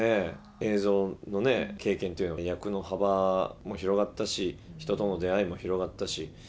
映像のね、経験っていうのは役の幅も広がったし、人との出会いも広がったし。